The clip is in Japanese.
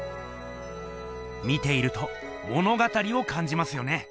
見ていると物語をかんじますよね。